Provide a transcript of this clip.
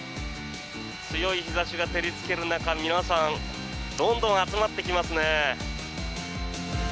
強い日差しが照りつける中皆さんどんどん集まってきますね。